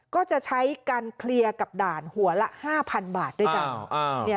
ก็จะใช้การเคลียร์กับด่านหัวละ๕๐๐๐บาทด้วยกัน